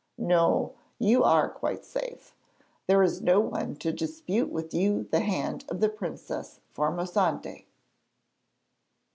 No; you are quite safe. There is no one to dispute with you the hand of the Princess Formosante.'